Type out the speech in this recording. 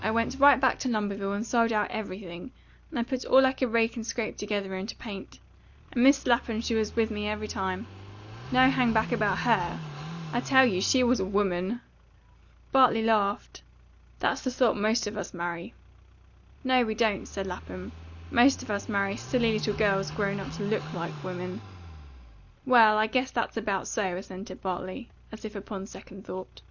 "I went right back to Lumberville and sold out everything, and put all I could rake and scrape together into paint. And Mis' Lapham was with me every time. No hang back about HER. I tell you she was a WOMAN!" Bartley laughed. "That's the sort most of us marry." "No, we don't," said Lapham. "Most of us marry silly little girls grown up to LOOK like women." "Well, I guess that's about so," assented Bartley, as if upon second thought.